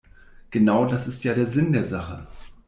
Genau das ist ja Sinn der Sache.